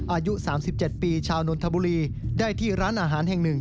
อายุสามสิบเจ็ดปีชาวนทบุรีได้ที่ร้านอาหารแห่งหนึ่ง